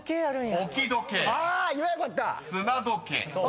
［「置時計」「砂時計」］